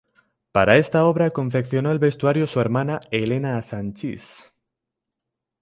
Para esta obra confeccionó el vestuario su hermana Helena Sanchis.